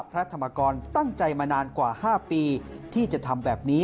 พระธรรมกรตั้งใจมานานกว่า๕ปีที่จะทำแบบนี้